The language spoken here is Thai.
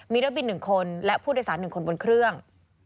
มีนักบิน๑คนและผู้โดยสาร๑คนบนเครื่อง